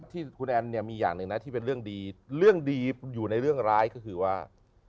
ที่คุณแอนเนี่ยมีอย่างหนึ่งนะที่เป็นเรื่องดีเรื่องดีอยู่ในเรื่องร้ายก็คือว่า